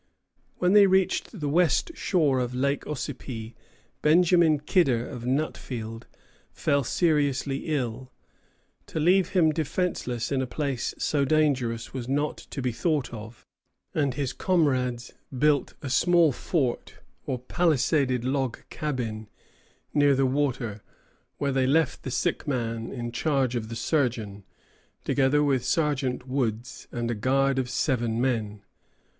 When they reached the west shore of Lake Ossipee, Benjamin Kidder, of Nutfield, fell seriously ill. To leave him defenceless in a place so dangerous was not to be thought of; and his comrades built a small fort, or palisaded log cabin, near the water, where they left the sick man in charge of the surgeon, together with Sergeant Woods and a guard of seven men.